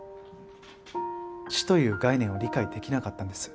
死という概念を理解できなかったんです。